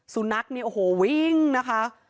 สุนัขเนี่ยโอ้โหวิ่งนะคะ